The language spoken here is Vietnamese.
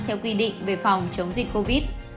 theo quy định về phòng chống dịch covid